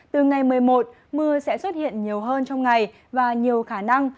từ ngày một mươi một mưa sẽ xuất hiện nhiều hơn trong ngày và nhiều khả năng